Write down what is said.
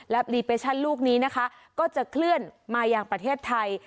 และดีเปรสชันลูกนี้ก็จะเคลื่อนมาอย่างประเทศไทย